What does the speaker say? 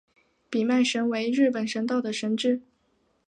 比卖神为日本神道的神只。